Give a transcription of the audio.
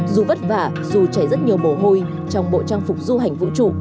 dù vất vả dù chảy rất nhiều mồ hôi trong bộ trang phục du hành vũ trụ